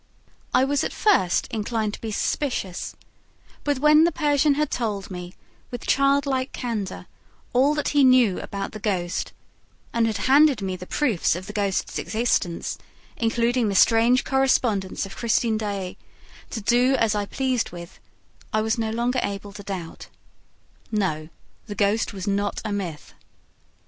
I was at first inclined to be suspicious; but when the Persian had told me, with child like candor, all that he knew about the ghost and had handed me the proofs of the ghost's existence including the strange correspondence of Christine Daae to do as I pleased with, I was no longer able to doubt. No, the ghost was not a myth!